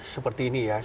seperti ini ya